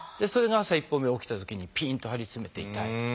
それが朝一歩目起きたときにピンと張り詰めて痛い。